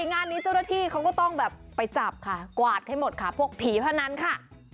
งานนี้เจ้าหน้าที่เขาก็ต้องแบบไปจับค่ะกวาดให้หมดค่ะพวกผีพนันค่ะ